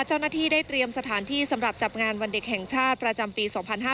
เจ้าหน้าที่ได้เตรียมสถานที่สำหรับจับงานวันเด็กแห่งชาติประจำปี๒๕๕๙